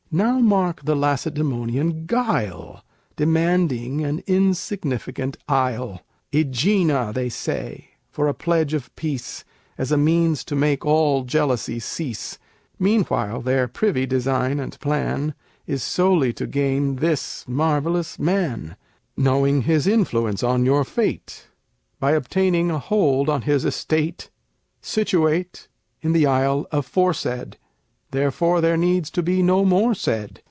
Now mark the Lacedæmonian guile! Demanding an insignificant isle! "Ægina," they say, "for a pledge of peace, As a means to make all jealousy cease." Meanwhile their privy design and plan Is solely to gain this marvelous man Knowing his influence on your fate By obtaining a hold on his estate Situate in the isle aforesaid. Therefore there needs to be no more said.